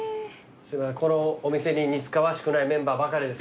このお店に似つかわしくないメンバーばかりですが。